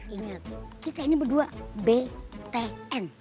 ingat kita ini berdua b t n